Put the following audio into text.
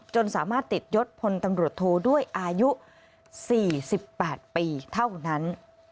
สามารถติดยศพลตำรวจโทด้วยอายุ๔๘ปีเท่านั้น